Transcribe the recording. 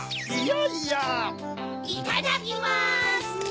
いただきます！